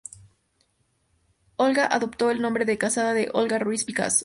Olga adoptó el nombre de casada de Olga Ruiz Picasso.